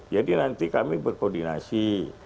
jadi nanti kami berkoordinasi